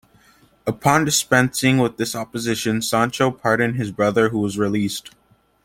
Upon dispensing with this opposition, Sancho pardoned his brother, who was released.